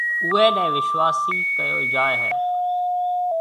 اُوئي نَي وِشواسي ڪهيَو جائي هيَ۔